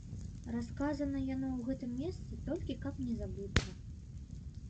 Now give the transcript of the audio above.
Расказана яно ў гэтым месцы, толькі каб не забыцца.